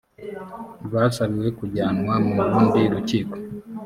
rwasabiwe kujyanwa mu rundi rukiko